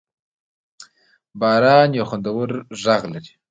باران یو خوندور غږ لري.